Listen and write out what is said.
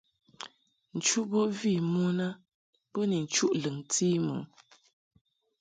Nchuʼ bo vi mon a bo ni nchuʼ lɨŋti mɨ.